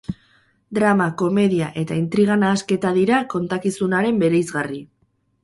Drama, komedia eta intriga nahasketa dira kontakizunaren bereizgarri.